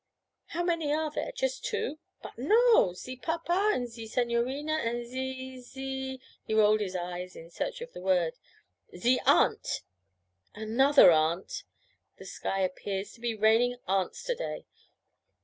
How many are there just two?' 'But no! Ze papa and ze signorina and ze ze ' he rolled his eyes in search of the word 'ze aunt!' 'Another aunt! The sky appears to be raining aunts to day.